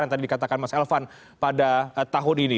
yang tadi dikatakan mas elvan pada tahun ini